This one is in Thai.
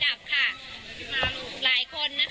แล้วก็อย่างที่บอกนะคะว่าตอนนี้ไฟดับค่ะ